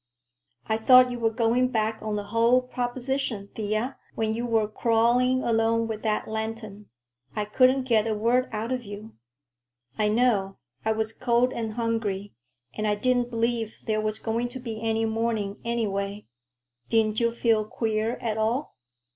"I thought you were going back on the whole proposition, Thea, when you were crawling along with that lantern. I couldn't get a word out of you." "I know. I was cold and hungry, and I didn't believe there was going to be any morning, anyway. Didn't you feel queer, at all?"